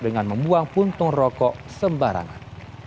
dengan membuang puntung rokok sembarangan